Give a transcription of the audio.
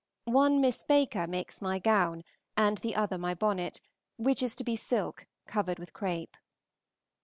One Miss Baker makes my gown and the other my bonnet, which is to be silk covered with crape.